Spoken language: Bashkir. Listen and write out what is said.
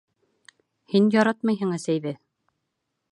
Һин яратмайһың әсәйҙе!